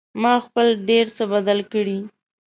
ما خپل ډېر څه بدل کړي